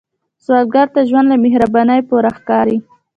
سوالګر ته ژوند له مهربانۍ پوره ښکاري